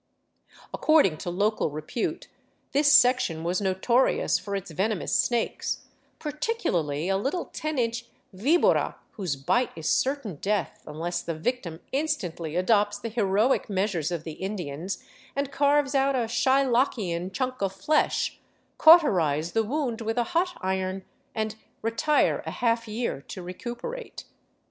According to local repute, this section was notorious for its venomous snakes, particularly a little ten inch vibora whose bite is certain death unless the victim instantly adopts the heroic measures of the Indians and carves out a Shylock ian chunk of flesh, cauterize the wound with a hot iron, and retire a half year to recuperate.